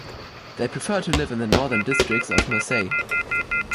They prefer to live in the northern districts of Marseille.